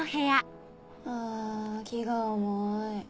あ気が重い。